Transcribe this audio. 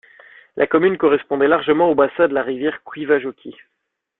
La commune correspondait largement au bassin de la rivière Kuivajoki.